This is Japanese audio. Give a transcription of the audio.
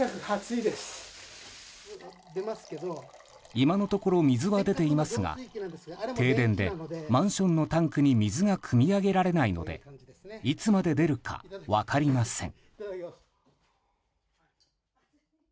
今のところ水は出ていますが停電で、マンションのタンクに水がくみ上げられないのでいつまで出るか分かりません。